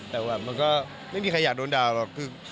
แต่ว่ามันก็ไม่มีใครอยากโดนด่าหรอก